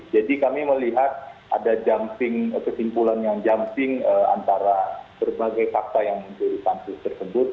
jadi kami melihat ada kesimpulan yang jamping antara berbagai fakta yang disamping tersebut